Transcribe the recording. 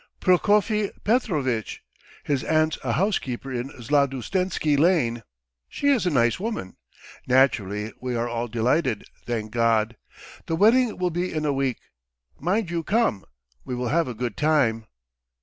Prokofy Petrovitch. His aunt's a housekeeper in Zlatoustensky Lane. She is a nice woman. Naturally we are all delighted, thank God. The wedding will be in a week. Mind you come; we will have a good time."